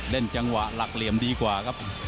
เล่นจังหวะหลักเหลี่ยมดีกว่าครับ